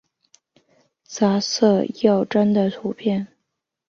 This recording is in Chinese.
杂色耀鲇的图片